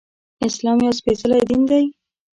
اسلام يو سپيڅلی دين دی